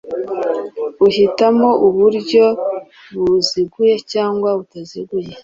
uhitamo uburyo buziguye cyangwa butaziguye.